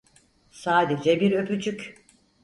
Sadece bir öpücük.